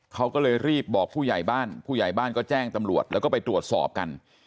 เขาก็เลยรีบบอกผู้ใหญ่บ้านผู้ใหญ่บ้านก็แจ้งตำรวจแล้วก็ไปตรวจสอบกัน